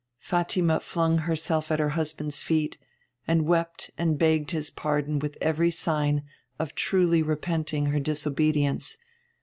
Fatima flung herself at her husband's feet, and wept and begged his pardon with every sign of truly repenting her disobedience.